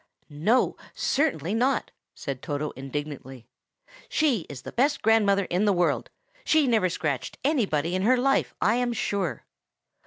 "No, certainly not!" said Toto indignantly. "She is the best grandmother in the world. She never scratched anybody in her life, I am sure."